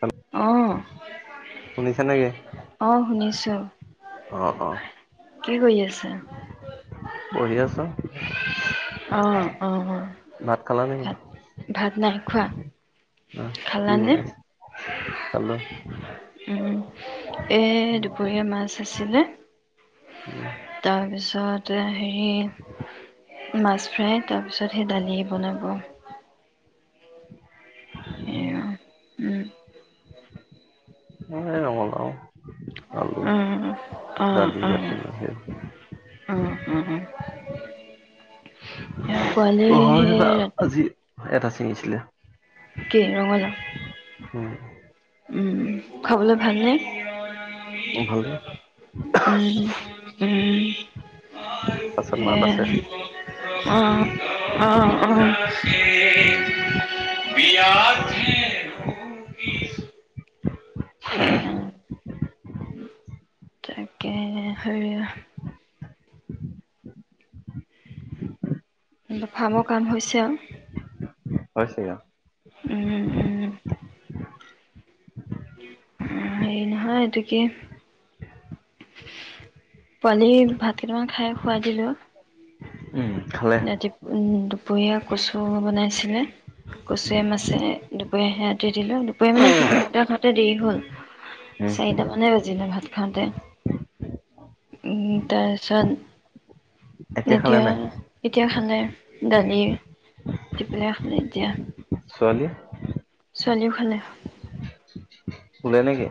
Hello অহ, শুনিছা নেকি? অহ শুনিছো। কি হৈ আছে। পঢ়ি আছো। [inaudible] অ' অ' অ'। ভাত খালা নেকি, খোৱা আহ কি খালানে? বনাইছে? খালোঁ। উম, এ দুপৰীয়া মাছ আছিলে। উম, তাৰপিছত, তে হেৰি মাছ ফ্ৰাই। তাৰপিছত হে' দালি বনাব। [inaudible] উম। মই ৰঙলাও, আলু। উম অঁ দালি অঁ ৰাতিলৈহে। অঁ অঁ [unintelligible] পোৱালিয়ে অ', হয় হেই ৰা আজি এটা চিঙিছিলে। কি ৰঙলাও? উম'। উম, উম খাবলৈ ভালনে? উম, ভালেই। উম উম পাছত মাত সেয়া আছে। অ অ, অ উম, উম, হে হা তাকে হেৰি-অহ [unintelligible] ফাৰ্মৰ কাম হৈছে আৰু। হৈছে আৰু। উম, উম। উম, হেৰি নহয়, এইটো কি, পোৱালি ভাত কেইটামান খাই, শুৱাই দিলোঁ। উম, খালে। ৰাতি উম, টো দুপৰীয়া কচু বনাইছিলে, কচুৱে মাছে দুপৰীয়া সেইয়া দি দিলো, দুপৰীয়া মানে সি খাওঁতে খাওঁতে দেৰি হ'ল, উম, চাৰিটামানে বাজিলে ভাত খাওঁতে। উম, তাৰপিছত খালে নাই? এতিয়া, এতিয়া খালে, দালি দি পেলাই, খালে এতিয়া। ছোৱালী? ছোৱালীয়েও খালে। শুলে নে, কি?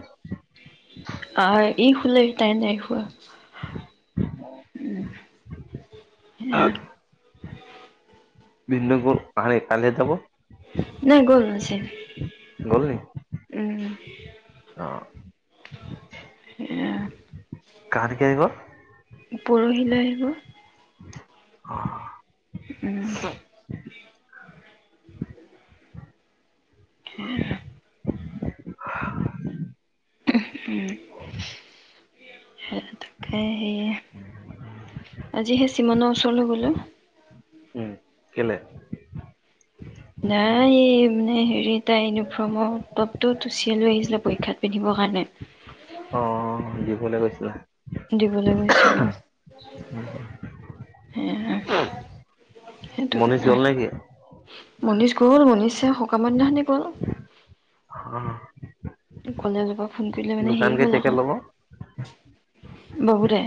আহ, ই শুলে, তাই নাই শুৱা। উম, সেয়া। ভিন্দৌ গ'ল? আহা নাই, কাইলেহে যাব। নাই গ'ল, আজি। গল নি? উম- অ', অ কাক বিচাৰিব? পৰহিলৈ আহিব। উম- স [unintelligible] সেই- সে আজিহে চিমনৰ ওচৰলৈ গলো। উম, কেলে? নাই মানে হেৰি, তাই ইউনিফৰ্মৰ টপটো চিলাই লৈ আহিছিলে পৰীক্ষাত পিন্ধিবৰ কাৰণে। অ', দিবলৈ গৈছিলা। দিবলৈ গৈছিলে। সে [unintelligible] মনীষ গল নেকি? মনীষ গ'ল, মনিষে সকামৰ দিনাখনেই গ'ল। অ', কলে যাব- দোকান কেতিয়াকে ল'ব? বহুতে।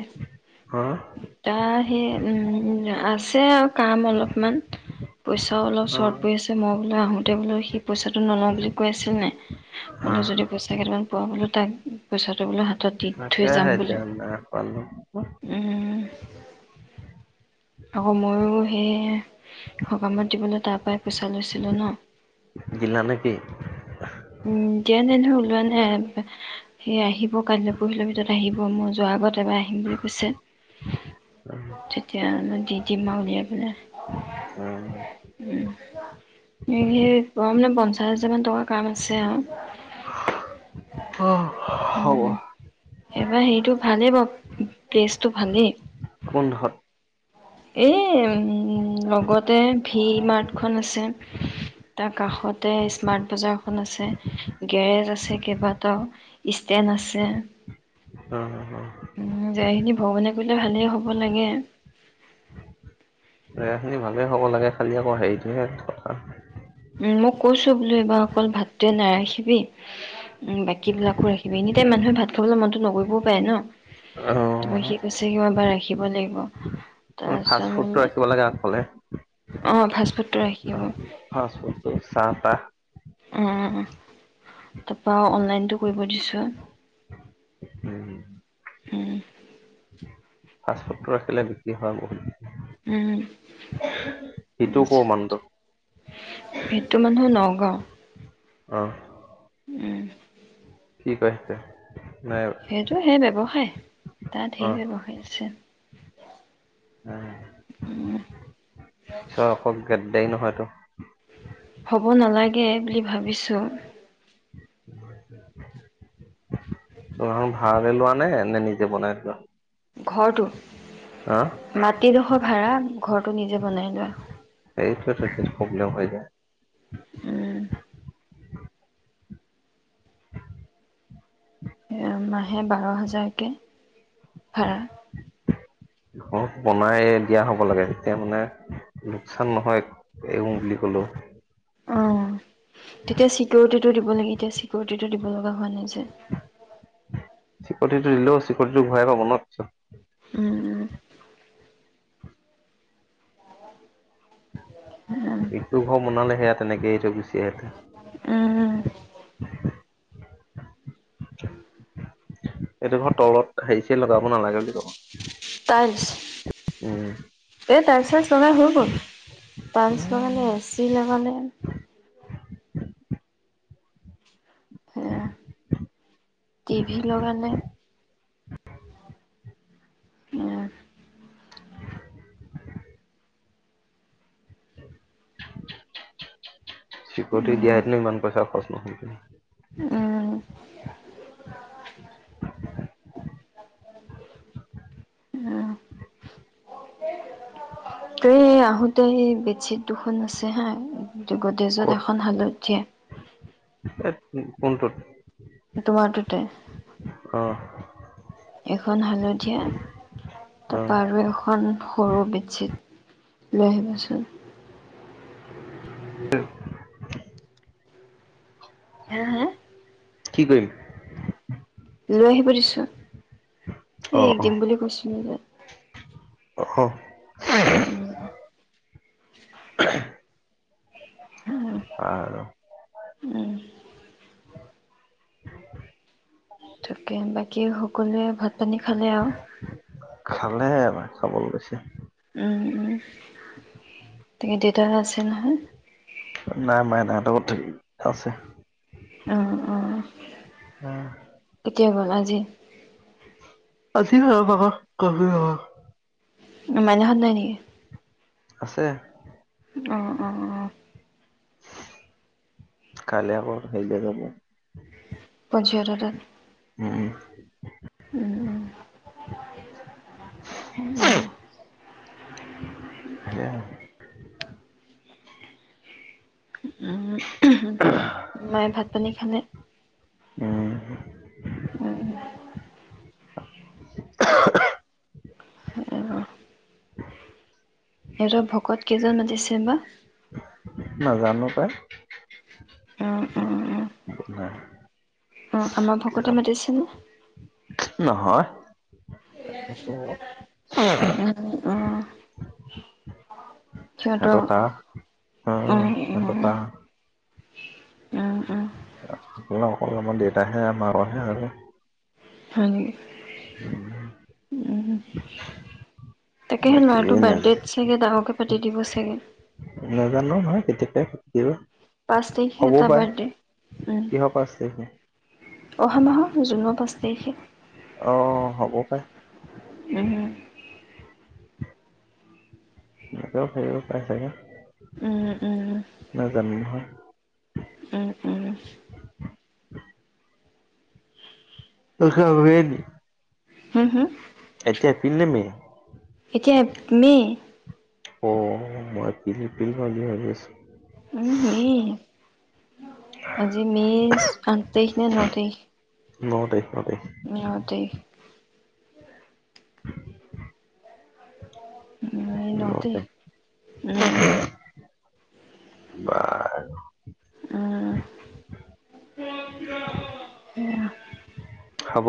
অ', তা- সেই হম্ আছে আৰু কাম অলপমান পইচাও অলপ চৰ্ট অ', পৰি আছে মই বোলো আহোতে বোলো সি পইচাটো নলওঁ বুলি কৈ আছে -নাই বলো অ', যদি পইচা কেইটামান পোৱা- বোলো তাক পইচাটো বোলো হাতত দি থৈ যাম তাকেহে বুলি। এতিয়া নাই পালো। উম- আকৌ ময়ো সেই সকামত দিবলৈ তাৰ পৰাই পইচা লৈছিলো ন! জিলা নেকি? উম- দিয়া নাই নহয় ওলোৱা নাই সেই আহিব কাইলৈ পৰহিলৰ ভিতৰত আহিব মই যোৱাৰ আগত এবাৰ আহিম বুলি কৈছে। তেতিয়া- দি দিম আৰু উলিয়াই পেলাই। অ', গম নেপাও পঞ্চাশ হাজাৰ মান টকা কাম আছে আৰু। হ'ব উম এবাৰ সেইটো ভালেই বাৰু- প্লেচটো ভালেই। পোন্ধৰত এই উম- লগতে ভি মাৰ্টখন আছে, তাৰ কাষতে স্মাৰ্ট বজাৰখন আছে, গেৰেজ আছে, কেইবাটাও ষ্টেণ্ড আছে। অ', অ', উম- ঠাইখিনি ভগবানে কৰিলে ভালেই হ'ব লাগে। ক জেগাখিনি ভালেই হ'ব লাগে খালি আকৌ হেৰিটোহে থ- উম- মই কৈছো বোলো এইবাৰ অকল ভাতটোৱে নাৰাখিবি, বাকী বিলাকো ৰাখিবি এনিটাইম মানুহে ভাত খাবলৈ মনতো নকৰিবও পাৰে ন? তাৰপৰা সি অ', কৈছে কি এইবাৰ ৰাখিব লাগিব। তাত ফাষ্ট ফুডটো তাৰপিছত ৰাখিব লাগে আগফালে। অ ফাষ্ট ফুডটো ৰাখিব। ফাষ্টফুডটো চাহ-তাহ। অ-অ তাৰাপা অনলাইনটো কৰিব দিছো। উ ফাষ্টফুড টো ৰাখিলে বিক্ৰী হয় বহুত। উম- সিটোও কমানটো [unintelligible] ইটো মানুহ নগাঁও। অহ- উম- কি কৈছে সেইটো হে- ব্যৱসায়। তাৰ ধেৰ অ', ব্যবসায় আছে। চশ গেট দেৰি নহয়তো! হ'ব নালাগে- বুলি ভাবিছো। ভাাৰলে লোৱা নে এনেই নিজে বনাই থোৱা? ঘৰটো? আহ এইডোখৰ ভাড়া ঘৰটো নিজে বনাই লোৱা সেইটোৱেতো প্ৰব্লেম হৈ যায় উম মাহে বাৰ হাজাৰকে ভাড়া বনাই দিয়া হ'ব লাগে তেতিয়া মানে লোকচান নহয় এই বুলি কলো অ তেতিয়া চিক‌ৰিটিটো দিব লাগে এতিয়া চিকৰিটিটো দিব লগা হোৱা নাই যে চিকৰিতিটো দিলও চিকৰিতিটো ঘূৰাই পাব ন পিছত উম্ উম ইটো ঘৰ বনালে সেয়াত তেনেকে ত‌ই গুচি আহিলি উম এইটো ঘৰ তলত আহিছে এতিয়া লগাব নালাগে বুলি কব উম [unintelligible] ত এ তাৰছ চাই হৈ গ'ল পালছ [unintelligible] কাৰানে এ চি ন [unintelligible] কাৰানে আহ টিভি লগা নাই আহ চি‌কিউৰিটি দিয়া উম হেতেনো ইমান পইচা খৰচ নহয় উম উম তাতে আহোতে এই বেডশ্বীট দুখন আছে হা গদৰেছত ক'ত এখন হালধীয়া এ কোনটোত সটোমটতে [unintelligible] অ এখন হালধীয়া অ তাৰ পাৰা আৰু এখন সৰু বেডশ্বীট লৈ আহিবাচোন হা হা কি কৰিম লৈ আহিব দিছো এ অ এক অ দিম বুলি কৈছো বিনজত [unintelligible] অ উম আহ আৰু উম তাকে বাকী সকলোৱে ভাত পানী খালে আৰু বৈ আছে উম উম তাকে দেউতা আছিল নহয় নাই নাই নাই সিহঁতক আছে উম উম কেতিয়া গল আজি আজি ন পাবা ক [unintelligible] মাইনাহঁত নাই নেকি আছে উম উম উম কালি আকৌ হেৰিলে যাব পজিয়াৰ তাত উম, উম উম [unintelligible] উম উম সেয়া উ মায়ে ভাত পানী খালে উম, উম আহ্ সিহঁত ভকত কেইজন মাতিছে বা নাজানো পাই উম উম উম নাই অ আমাৰ ভকতে মাতিছেনে নহয়। উম, অ'। সিহঁতৰ এটোপা উম, উম। অকল অকল আমাৰ দেউতাহে মাৰহে জানে। হয় নেকি? উম। তাকে সি বাকী ল'ৰাটো নাজানো বাৰডেট চাগে ডাঙৰ কৈ চুটি দিব চাগে। নাজানো নহয় [unintelligible] পাঁচ তাৰিখে হ'ব তাৰ পাই বাৰ্থডে উম, কিহৰ পাৰ্চেল আহিছে। অহা মাহৰ জুনৰ পাঁচ তাৰিখে অ', হ'ব পাৰে। উম, উম। সেই পাইছাগে উম, উম। নহয়। উম, উম। [unintelligible] হা, হা? এতিয়াপিল নেমী এতিয়া মে তাক ডিভহছ দিম ভাবি আছোঁ। উম, মে আজি মে আঠ তাৰিখ নে ন' তাৰিখ। ন' তাৰিখ। ন তাৰিখ নিউতে উম, ন নহতে তাৰিখ উম। বা অ', উম। হ'ব।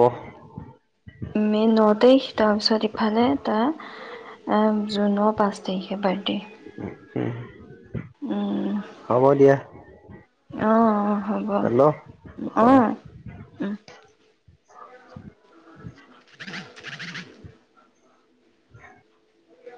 মে ন' তাৰিখ তাৰপিছত ইফালে তাৰ জুনৰ পাঁচ তাৰিখে বাৰ্থডে। উম। হ'ব দিয়া। আহ অ', হ'ব হেল্ল' অ আহ উম। [inaudible]